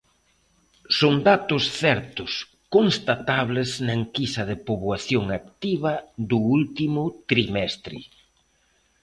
Son datos certos, constatables na enquisa de poboación activa do último trimestre.